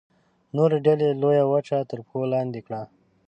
نورې ډلې لویه وچه تر پښو لاندې کړه.